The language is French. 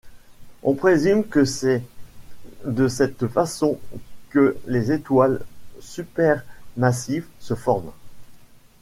On présume que c'est de cette façon que les étoiles supermassives se forment.